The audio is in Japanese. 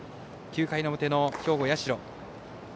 ９回の表の兵庫、社。